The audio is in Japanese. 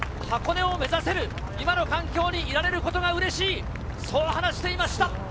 箱根を目指せる、今の環境にいられることがうれしい、そう話していました。